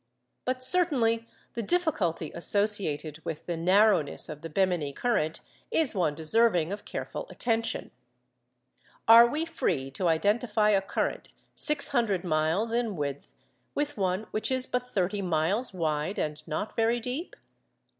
But certainly the difficulty associated with the narrowness of the Bemini current is one deserving of careful attention. Are we free to identify a current six hundred miles in width with one which is but thirty miles wide, and not very deep?